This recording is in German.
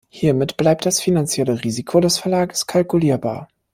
Hiermit bleibt das finanzielle Risiko des Verlages kalkulierbar.